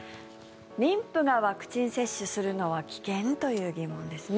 妊婦がワクチン接種するのは危険？という疑問ですね。